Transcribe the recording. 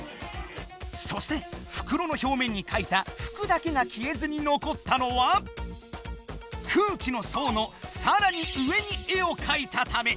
そしてふくろのひょうめんにかいた服だけが消えずに残ったのは空気のそうのさらに上に絵をかいたため。